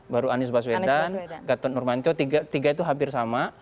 baru anies baswedan gatot nurmanto tiga itu hampir sama